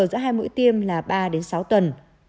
thời gian chờ giữa hai mũi tiêm là ba đến sáu tuần